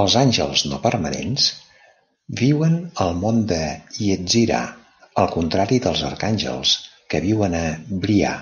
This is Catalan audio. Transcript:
Els àngels no permanents viuen al món de Yetzirah, al contrari dels arcàngels, que viuen a Briah.